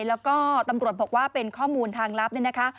แล้วก็ตำรวจบอกว่าเป็นข้อมูลทางลับเนี่ยนะคะ